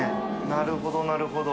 なるほどなるほど。